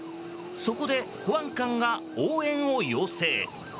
そこで、保安官が応援を要請。